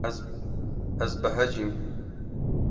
Ez behecîm.